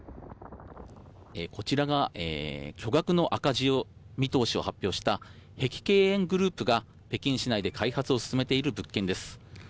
こちらが巨額の赤字見通しを発表した碧桂園グループが北京市内で開発を進めている物件です。